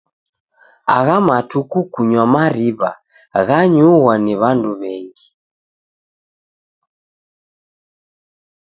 Agha matuku kunywa mariw'a ghanyughwa ni w'andu w'engi.